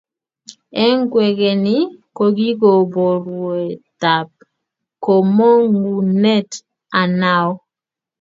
Eng kwekeny, kokikoboruetab komongunet Anao,